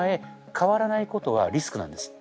変わらないことはリスクなんです。